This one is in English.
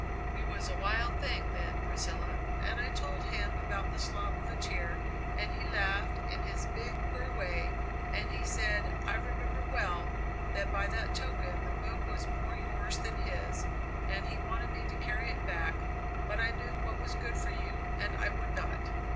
You was a wild thing then, Priscilla. And I told him about the slob of a tear and he laughed in his big, queer way, and he said, I remember well, that by that token the book was more yours than his, and he wanted me to carry it back, but I knew what was good for you, and I would not!